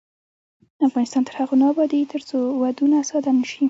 افغانستان تر هغو نه ابادیږي، ترڅو ودونه ساده نشي.